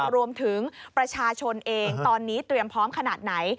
รวมถึงประชาชนเองตอนนี้เตรียมพร้อมขนาดไหน